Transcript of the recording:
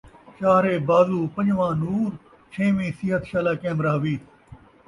چاہرے بازُو، پنجواں نُور، چھیویں صحت شالا قائم رَہوی